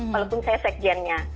walaupun saya sekjennya